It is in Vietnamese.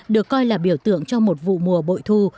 được coi là biểu tượng cho một vụ mùa bội thu